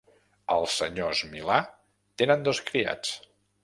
Els senyors Milà tenen dos criats.